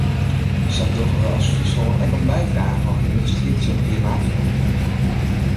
Sa dogge we as Fryslân ek in bydrage yn de striid tsjin klimaatferoaring.